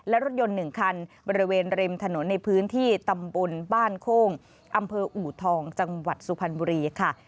และรถยนต์๑คันบริเวณริมถนนในพื้นที่ตำบลบ้านโค้งอำเภออูทองจังหวัดสุพรรณบุรีค่ะ